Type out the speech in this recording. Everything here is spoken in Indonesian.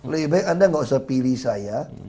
lebih baik anda nggak usah pilih saya